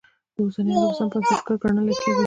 د اوسني عربستان بنسټګر ګڼلی کېږي.